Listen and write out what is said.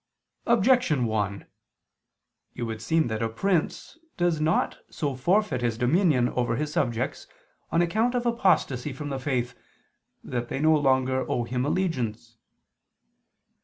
Objection 1: It would seem that a prince does not so forfeit his dominion over his subjects, on account of apostasy from the faith, that they no longer owe him allegiance.